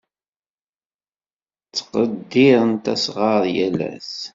Ttqeddirent asɣar yal ass.